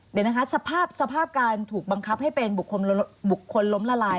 เดี๋ยวนะคะสภาพการถูกบังคับให้เป็นบุคคลล้มละลาย